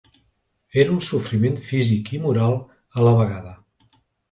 Era un sofriment físic i moral a la vegada.